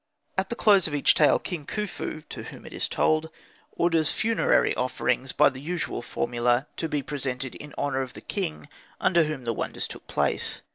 At the close of each tale, King Khufu, to whom it is told, orders funerary offerings by the usual formula, to be presented in honour of the king under whom the wonder took place.